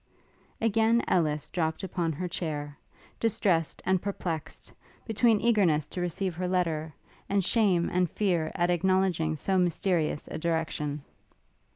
Again Ellis dropt upon her chair, distressed and perplexed, between eagerness to receive her letter, and shame and fear at acknowledging so mysterious a direction.